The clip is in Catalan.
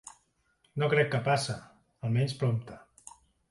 No crec que passe, almenys prompte.